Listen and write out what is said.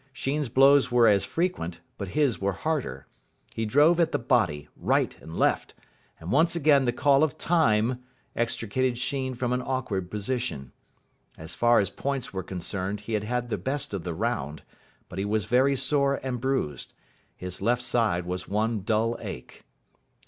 Sheen's blows were as frequent, but his were harder. He drove at the body, right and left; and once again the call of Time extricated Sheen from an awkward position. As far as points were concerned he had had the best of the round, but he was very sore and bruised. His left side was one dull ache.